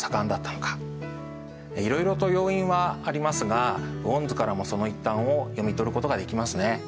いろいろと要因はありますが雨温図からもその一端を読み取ることができますね。